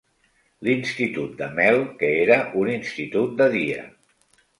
L'institut de Mel, que era un institut de dia.